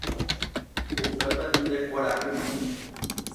upépe ndekuarahýma.